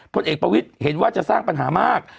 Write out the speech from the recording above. พลเอกประวิทย์เห็นว่าจะสร้างปัญหามาก